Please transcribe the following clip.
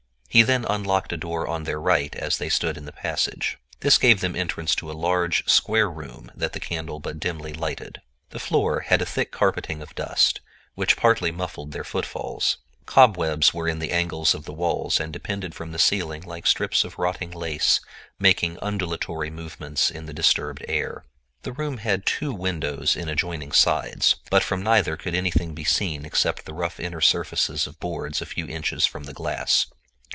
He then unlocked a door on their right as they stood in the passage. This gave them entrance to a large, square room that the candle but dimly lighted. The floor had a thick carpeting of dust, which partly muffled their footfalls. Cobwebs were in the angles of the walls and depended from the ceiling like strips of rotting lace making undulatory movements in the disturbed air. The room had two windows in adjoining sides, but from neither could anything be seen except the rough inner surfaces of boards a few inches from the glass.